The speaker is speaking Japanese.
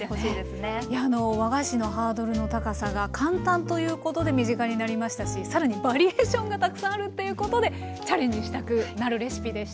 いや和菓子のハードルの高さが簡単ということで身近になりましたし更にバリエーションがたくさんあるっていうことでチャレンジしたくなるレシピでした。